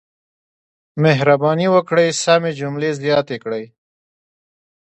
مهرباني وکړئ سمې جملې زیاتې کړئ.